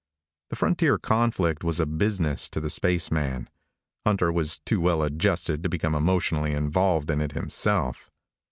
The frontier conflict was a business to the spaceman. Hunter was too well adjusted to become emotionally involved in it himself.